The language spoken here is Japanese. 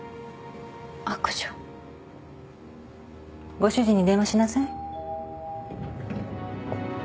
ご主人に電話しなさい。